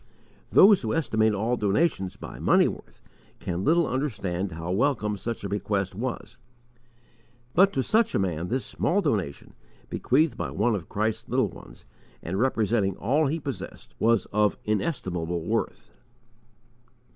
Those who estimate all donations by money worth can little understand how welcome such a bequest was; but to such a man this small donation, bequeathed by one of Christ's little ones, and representing all he possessed, was of inestimable worth.